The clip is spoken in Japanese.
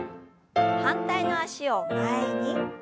反対の脚を前に。